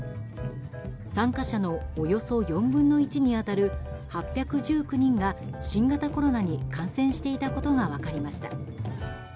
参加者のおよそ４分の１に当たる８１９人が新型コロナに感染していたことが分かりました。